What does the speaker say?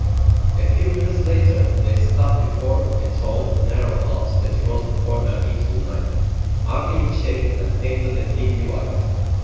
A few minutes later they stopped before a tall, narrow house that rose before them into the night, ugly in shape and painted a dingy white.